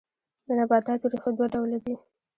د نباتاتو ریښې دوه ډوله دي